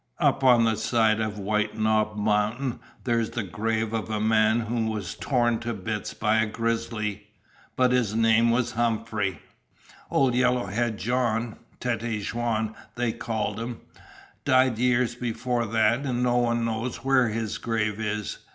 "Up on the side of White Knob Mountain there's the grave of a man who was torn to bits by a grizzly. But his name was Humphrey. Old Yellowhead John Tête Jaune, they called him died years before that, and no one knows where his grave is.